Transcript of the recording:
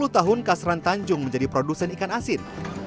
sepuluh tahun kasran tanjung menjadi produsen ikan asin